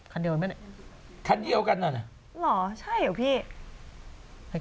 คันเดียวกันไหมคันเดียวกันน่ะห๋อใช่เหรอพี่